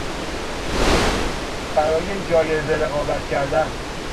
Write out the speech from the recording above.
برای جایزه رقابت کردن